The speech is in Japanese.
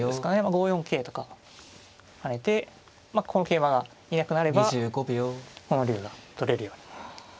５四桂とか跳ねてこの桂馬がいなくなればこの竜が取れるようになるので。